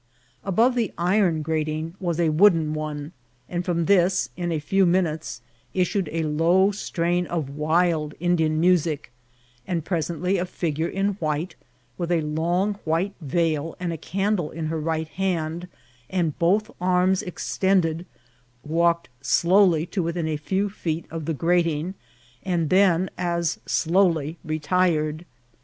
Above the iron grating was a wooden one, and from this in a few minutes issued a low strain of wild Indian music, and presently a figure in white, with a long white veil and a candle in her right hand, and both arms ext^ided, walked slowly to within a few feet of the grating, and then as slowly re* tired.